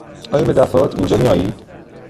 آیا به دفعات اینجا می آیید؟